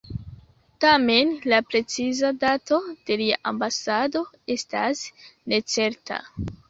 Tamen la preciza dato de lia ambasado estas necerta.